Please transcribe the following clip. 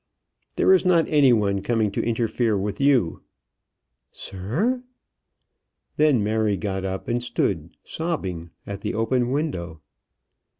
"There is not any one coming to interfere with you." "Sir!" Then Mary got up, and stood sobbing at the open window.